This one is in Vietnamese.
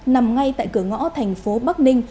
nằm ngay tại cửa ngõ thành phố bắc ninh